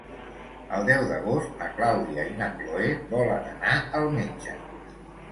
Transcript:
El deu d'agost na Clàudia i na Cloè volen anar al metge.